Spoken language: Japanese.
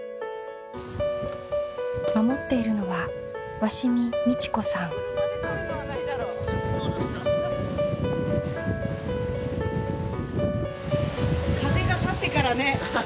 守っているのは風が去ってからね。